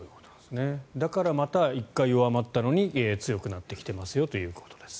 だから、また１回弱まったのに強くなってきていますよということです。